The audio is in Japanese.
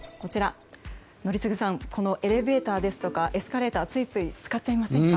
宜嗣さん、エレベーターですとかエスカレーターをついつい使っちゃいませんか？